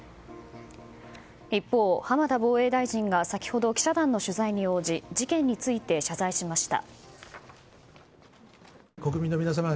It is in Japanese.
一方、浜田防衛大臣が先ほど記者団の取材に応じ事件について謝罪しました。